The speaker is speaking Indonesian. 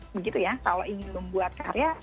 begitu ya kalau ingin membuat karya